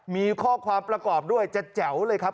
มีข้อความประกอบด้วยจะแจ๋วเลยครับ